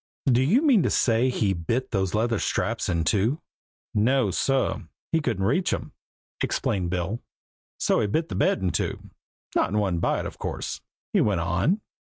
"Do you mean to say he bit those leather straps in two?" "No, sir; he couldn't reach them," explained Bill, "so he bit the bed in two. Not in one bite, of course," he went on.